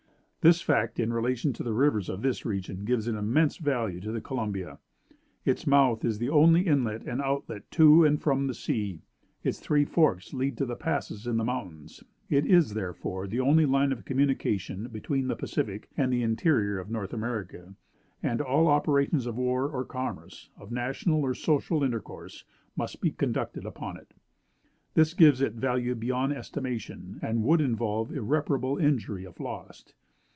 This fact in relation to the rivers of this region gives an immense value to the Columbia. Its mouth is the only inlet and outlet to and from the sea; its three forks lead to the passes in the mountains; it is, therefore, the only line of communication between the Pacific and the interior of North America; and all operations of war or commerce, of national or social intercourse, must be conducted upon it. This gives it a value beyond estimation, and would involve irreparable injury if lost.